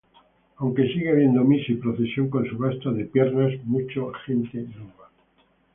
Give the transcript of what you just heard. Aunque sigue habiendo misa y procesión con subasta de "piernas", mucha gente no va.